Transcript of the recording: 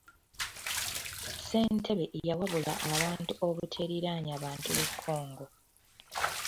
Ssentebe yawabula abantu obuteeriraanya bantu b'e Congo.